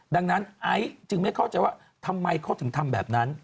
ดังนั้นไอซ์จึงไม่เข้าใจว่าทำไมเขาถึงทำแบบนั้น